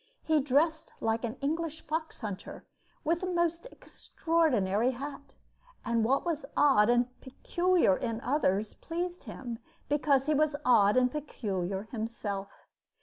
He dressed like an English fox hunter, with a most extraordinary hat, and what was odd and peculiar in others pleased him because he was odd and peculiar himself.